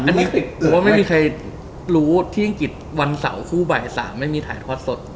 ผมว่าไม่มีใครรู้เที่ยงกิจวันเสาร์คู่บ่ายสามไม่มีถ่ายทอดสด